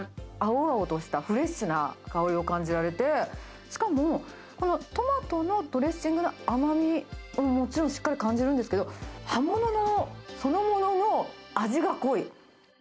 青々としたフレッシュな香りを感じられて、しかも、このトマトのドレッシングの甘みももちろんしっかり感じるんですけど、葉物の、そのものの味が濃い。